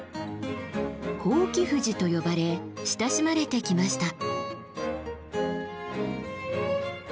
伯耆富士と呼ばれ親しまれてきました。